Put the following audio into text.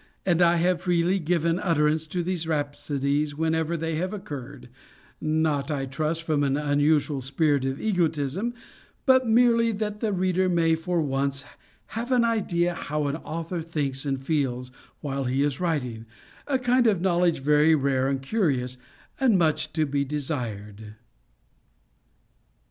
And I have freely given utterance to these rhapsodies whenever they have occurred; not, I trust, from an unusual spirit of egotism, but merely that the reader may for once have an idea how an author thinks and feels while he is writing a kind of knowledge very rare and curious, and much to be desired.